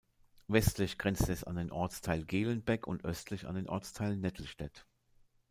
Westlich grenzt es an den Ortsteil Gehlenbeck und östlich an den Ortsteil Nettelstedt.